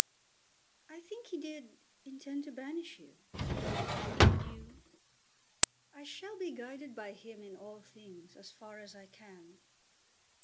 "I think he did intend to banish you." "And you?" "I shall be guided by him in all things, as far as I can."